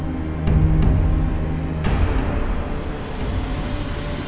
ini memang tak panjang begitu sih ya